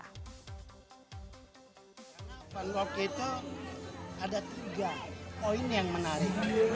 karena fun walk itu ada tiga poin yang menarik